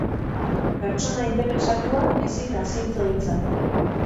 Pertsona interesatua ezin da zintzo izan.